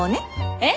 えっ？